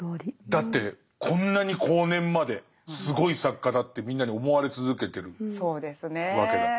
だってこんなに後年まですごい作家だってみんなに思われ続けてるわけだから。